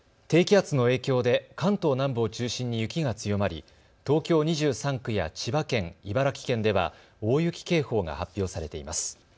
低気圧の影響で関東南部を中心に雪が強まり東京２３区や千葉県、茨城県では大雪警報が発表されています。